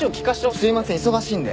すいません忙しいんで。